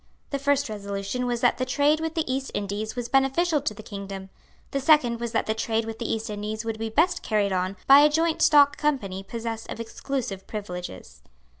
The first resolution was that the trade with the East Indies was beneficial to the kingdom; the second was that the trade with the East Indies would be best carried on by a joint stock company possessed of exclusive privileges.